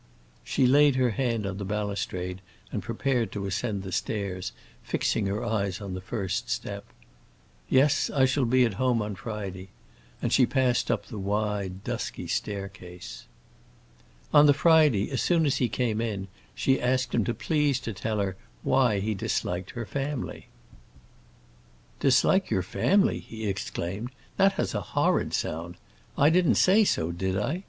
She laid her hand on the balustrade and prepared to ascend the stairs, fixing her eyes on the first step. "Yes, I shall be at home on Friday," and she passed up the wide dusky staircase. On the Friday, as soon as he came in, she asked him to please to tell her why he disliked her family. "Dislike your family?" he exclaimed. "That has a horrid sound. I didn't say so, did I?